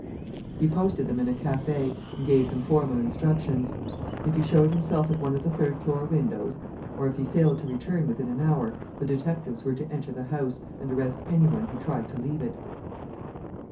He posted them in a café and gave them formal instructions: if he showed himself at one of the third floor windows, or if he failed to return within an hour, the detectives were to enter the house and arrest any one who tried to leave it.